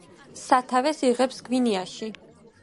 სათავეს იღებს გვინეაში.